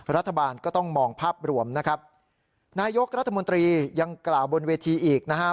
รัฐบาลก็ต้องมองภาพรวมนะครับนายกรัฐมนตรียังกล่าวบนเวทีอีกนะฮะ